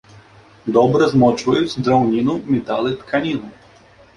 Добра змочваюць драўніну, металы, тканіну.